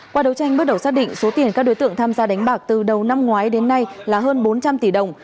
qua đấu tranh bước đầu xác định số tiền các đối tượng tham gia đánh bạc từ đầu năm ngoái đến nay là hơn bốn trăm linh tỷ đồng